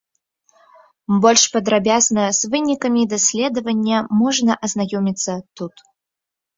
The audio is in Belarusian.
Больш падрабязна з вынікамі даследавання можна азнаёміцца тут.